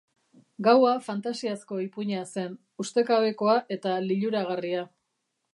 Gaua fantasiazko ipuina zen, ustekabekoa eta liluragarria.